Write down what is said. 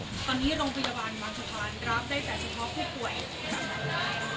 ตอนนี้โรงพยาบาลวังสะพานรับได้แต่เฉพาะผู้ป่วย